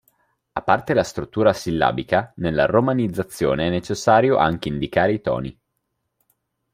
A parte la struttura sillabica, nella romanizzazione è necessario anche indicare i toni.